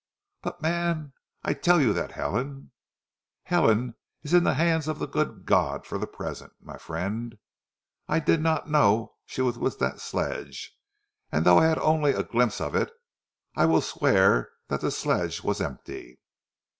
"But, man, I tell you that Helen " "Helen is in the hands of the good God for the present, my friend. I did not know she was with that sledge, and though I had only a glimpse of it, I will swear that the sledge was empty."